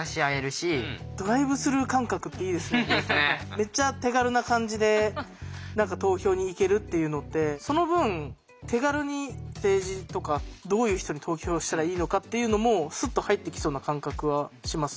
めっちゃ手軽な感じで何か投票に行けるっていうのってその分手軽に政治とかどういう人に投票したらいいのかっていうのもスッと入ってきそうな感覚はします。